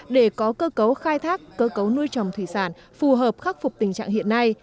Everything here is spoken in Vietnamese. để có cơ cấu khai thác cơ cấu nuôi trồng thủy sản phù hợp khắc phục tình trạng hiện nay